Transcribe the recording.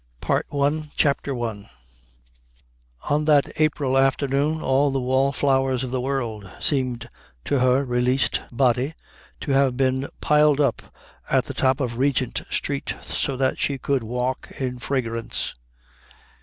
PART I CHAPTER I On that April afternoon all the wallflowers of the world seemed to her released body to have been piled up at the top of Regent Street so that she should walk in fragrance.